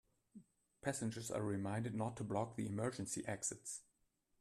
Passengers are reminded not to block the emergency exits.